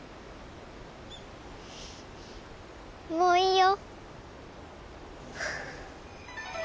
もういいよ！